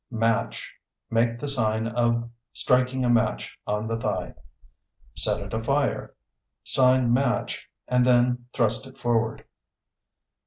Match (Make the sign of striking a match on the thigh). Set it afire (Sign match, and then thrust it forward).